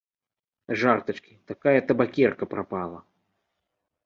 Жартачкі, такая табакерка прапала!